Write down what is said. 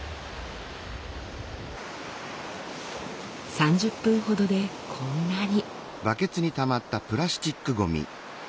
３０分ほどでこんなに。